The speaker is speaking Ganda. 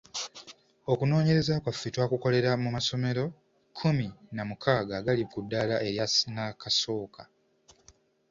Okunonyereza kwaffe twakukolera mu masomero kkumi na mukaaga agali ku ddaala erya nnakasooka.